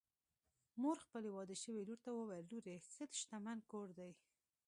مور خپلې واده شوې لور ته وویل: لورې! ښه شتمن کور دی